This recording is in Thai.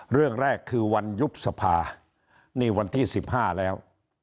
เรื่องแรกคือวันยุบสภานี่วันที่๑๕แล้ว